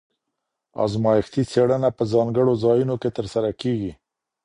ازمایښتي څېړنه په ځانګړو ځایونو کې ترسره کېږي.